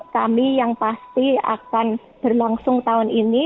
kami yang pasti akan berlangsung tahun ini